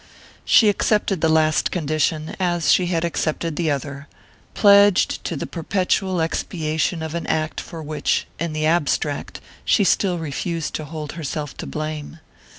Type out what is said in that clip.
She accepted the last condition as she had accepted the other, pledged to the perpetual expiation of an act for which, in the abstract, she still refused to hold herself to blame.